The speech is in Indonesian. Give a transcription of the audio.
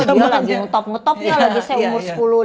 oh dia lagi ngetop ngetop ya lagi saya umur sepuluh lima belas tahun